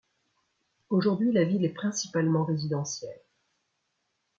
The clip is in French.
Aujourd'hui, la ville est principalement résidentielle.